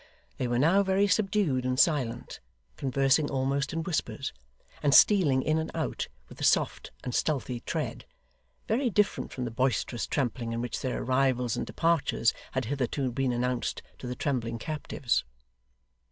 They were now very subdued and silent, conversing almost in whispers, and stealing in and out with a soft and stealthy tread, very different from the boisterous trampling in which their arrivals and departures had hitherto been announced to the trembling captives.